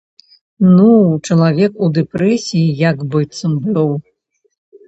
Ну, чалавек у дэпрэсіі як быццам быў.